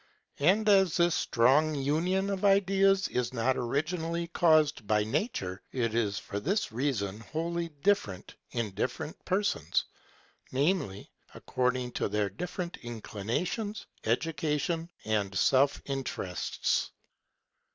And as this strong union of ideas is not originally caused by nature, it is for this reason wholly dif ferent in different persons, viz. : according to their different inclinations, education, and self interests.